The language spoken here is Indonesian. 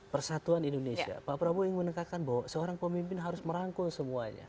persatuan indonesia pak prabowo ingin menekankan bahwa seorang pemimpin harus merangkul semuanya